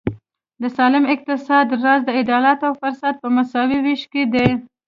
د سالم اقتصاد راز د عدالت او فرصت په مساوي وېش کې دی.